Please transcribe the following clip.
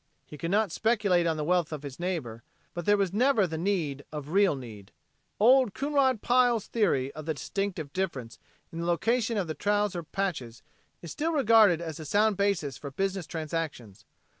He could not speculate on the wealth of his neighbor, but there was never the need of a real need. Old Coonrod Pile's theory of the distinctive difference in the location of trouser patches is still regarded as a sound basis for business transactions.